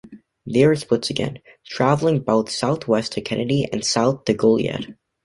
There it splits again, travelling both southwest to Kenedy and south to Goliad.